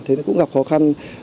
thế cũng gặp khó khăn